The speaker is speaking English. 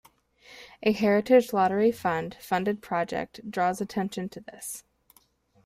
A Heritage Lottery Fund funded project draws attention to this.